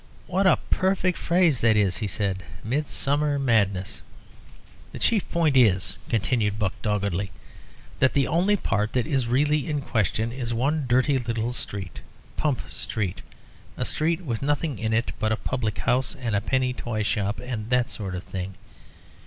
"What a perfect phrase that is!" he said. "'Midsummer madness'!" "The chief point is," continued Buck, doggedly, "that the only part that is really in question is one dirty little street Pump Street a street with nothing in it but a public house and a penny toy shop, and that sort of thing.